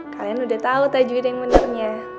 kalian udah tau tajwid yang benernya